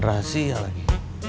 dan rahasia lagi